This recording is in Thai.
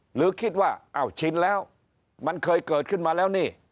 หรือคิดว่าอ้าวชินแล้วมันเคยเกิดขึ้นมาแล้วนี่